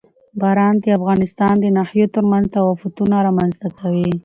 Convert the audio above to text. باران د افغانستان د ناحیو ترمنځ تفاوتونه رامنځ ته کوي.